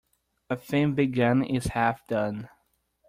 A thing begun is half done.